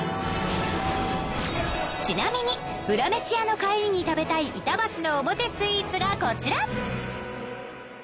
ちなみにウラ飯屋の帰りに食べたい板橋のオモテスイーツがこちら！